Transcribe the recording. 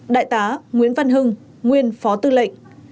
đại tá nguyễn văn hưng nguyên phó tư lệnh